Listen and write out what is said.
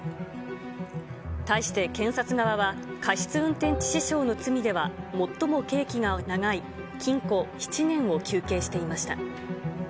対して検察側は、過失運転致死傷の罪では最も刑期が長い、禁錮７年を求刑していました。